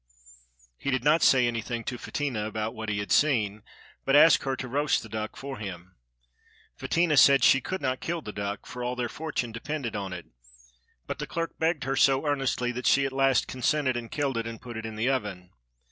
He did not say anything to Fetinia about what he had seen, but asked her to roast the duck for him. Fetinia said she could not kill the duck, for all their fortune depended on it, but the clerk begged her so earnestly that she at last consented and killed it, and put it in the oven.